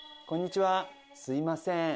こんにちはすみません。